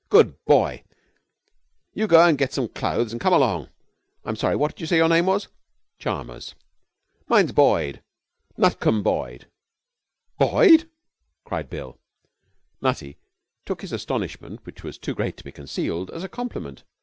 'Good boy! You go and get into some clothes and come along. I'm sorry, what did you say your name was?' 'Chalmers.' 'Mine's Boyd Nutcombe Boyd.' 'Boyd!' cried Bill. Nutty took his astonishment, which was too great to be concealed, as a compliment.